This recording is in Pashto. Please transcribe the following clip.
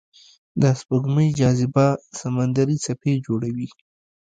د سپوږمۍ جاذبه سمندري څپې جوړوي.